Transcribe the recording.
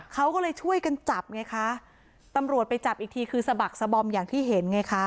เขาก็เลยช่วยกันจับไงคะตำรวจไปจับอีกทีคือสะบักสะบอมอย่างที่เห็นไงคะ